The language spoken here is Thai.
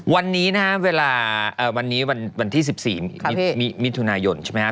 วันนี้นะวันนี้วันที่๑๔มิถุนายนใช่ไหม